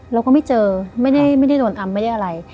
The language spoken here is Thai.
เราก็ไม่เจอไม่ได้โดนอำไม่ได้อะไร